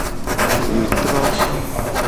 Wetro.